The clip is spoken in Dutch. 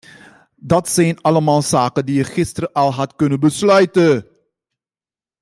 Dat zijn allemaal zaken die je gisteren al had kunnen besluiten.